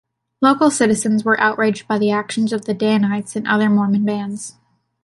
Local citizens were outraged by the actions of the Danites and other Mormon bands.